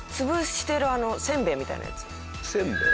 せんべい？